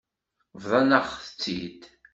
Bḍan-aɣ-tt-id.